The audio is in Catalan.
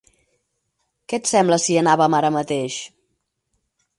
Què et sembla si hi anàvem ara mateix?